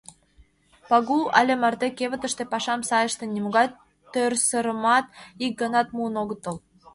Пагул але марте кевытыште пашам сай ыштен, нимогай тӧрсырымат ик ганат муын огытыл.